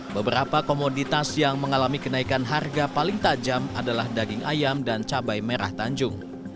beberapa komoditas yang mengalami kenaikan harga paling tajam adalah daging ayam dan cabai merah tanjung